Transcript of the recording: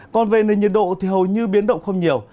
còn về nền nhiệt độ thì hầu như biến động không nhiều